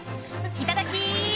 いただき！